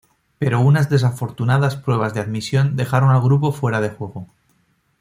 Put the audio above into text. Pero unas desafortunadas pruebas de admisión dejaron al grupo fuera de juego.